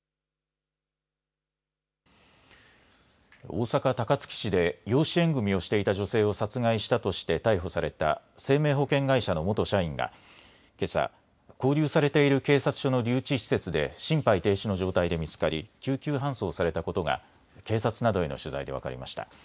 大阪高槻市で養子縁組みをしていた女性を殺害したとして逮捕された生命保険会社の元社員がけさ、勾留されている警察署の留置施設で心肺停止の状態で見つかり救急搬送されたことが警察などへの取材で分かりました。